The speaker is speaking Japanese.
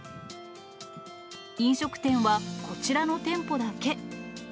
飲食店はこちらの店舗だけ。